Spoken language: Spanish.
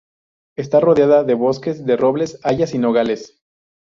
Está rodeada de bosques de robles, hayas y nogales.